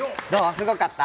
すごかった？